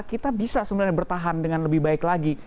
kita bisa sebenarnya bertahan dengan lebih baik lagi